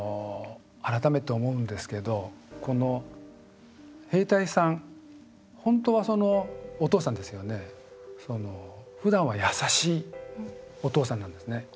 改めて思うんですけど兵隊さん本当はお父さんですよねふだんは優しいお父さんなんですね。